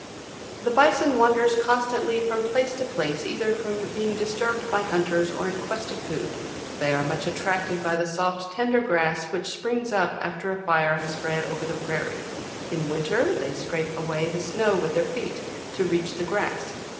18. "The Bison wanders constantly from place to place, either from being disturbed by hunters, or in quest of food. They are much attracted by the soft tender grass, which springs up after a fire has spread over the prairie. In winter, they scrape away the snow with their feet, to reach the grass.